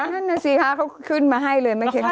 ธนาศีภาเขาขึ้นมาให้เลยไม่เคยเข้ามา